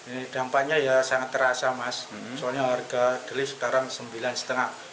ini dampaknya ya sangat terasa mas soalnya harga keli sekarang rp sembilan lima ratus